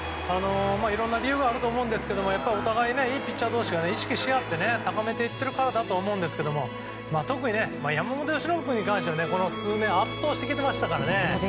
いろんな理由があると思うんですがやっぱりお互いいいピッチャー同士が意識し合って高めていっているからだと思いますが特に山本由伸君に関してはこの数年圧倒してきてましたから。